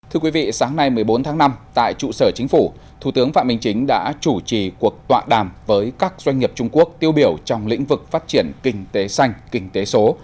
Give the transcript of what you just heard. thưa quý vị sáng nay một mươi bốn tháng năm tại trụ sở chính phủ thủ tướng phạm minh chính đã chủ trì cuộc tọa đàm với các doanh nghiệp trung quốc tiêu biểu trong lĩnh vực phát triển kinh tế xanh kinh tế số